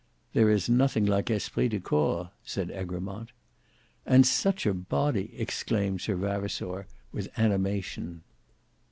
"There is nothing like esprit de corps," said Egremont. "And such a body!" exclaimed Sir Vavasour, with animation.